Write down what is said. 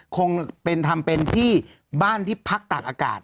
คงทำเป็นที่บ้านที่พักตากอากาศ